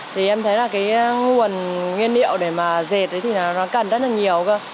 thì em thấy là cái nguồn nguyên liệu để mà dệt ấy thì nó cần rất là nhiều cơ